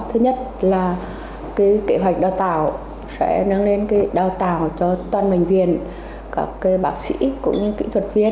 thứ nhất là kế hoạch đào tạo sẽ nâng lên đào tạo cho toàn bệnh viện các bác sĩ cũng như kỹ thuật viên